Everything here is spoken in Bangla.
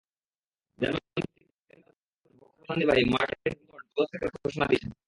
জার্মানভিত্তিক গাড়ি নির্মাতা প্রতিষ্ঠান ভক্সওয়াগনের প্রধান নির্বাহী মার্টিন ভিন্টারকর্ন পদত্যাগের ঘোষণা দিয়েছেন।